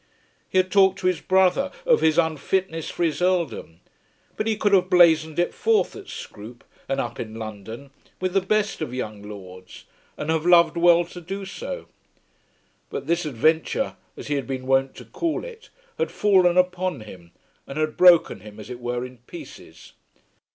He had talked to his brother of his unfitness for his earldom; but he could have blazoned it forth at Scroope and up in London, with the best of young lords, and have loved well to do so. But this adventure, as he had been wont to call it, had fallen upon him, and had broken him as it were in pieces.